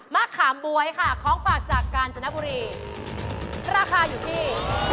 ขามบ๊วยค่ะของฝากจากกาญจนบุรีราคาอยู่ที่